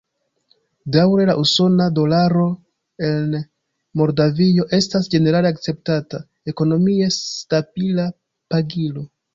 Daŭre la usona dolaro en Moldavio estas ĝenerale akceptata, ekonomie stabila pagilo.